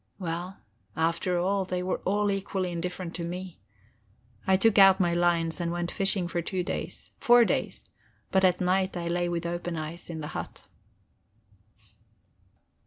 Well, after all, they were all equally indifferent to me. I took out my lines and went fishing for two days, four days; but at night I lay with open eyes in the hut...